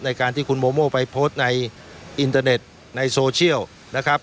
ในการที่คุณโมโมไปโพสต์ในอินเตอร์เน็ตในโซเชียลนะครับ